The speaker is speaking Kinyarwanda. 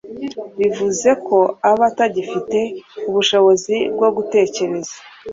Bivuze ko aba atagifite ubushobozi bwo gutekereza